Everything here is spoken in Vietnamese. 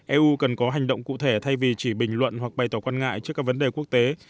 eu cần có hành động cụ thể thay vì chỉ bình luận hoặc bày tỏ quan ngại trước các vấn đề quốc tế